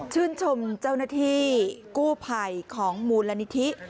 ชื่นชมเจ้าหน้าที่กู้ภัยของมูลนิธิ